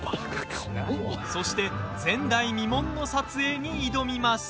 そして前代未聞の撮影に挑みます。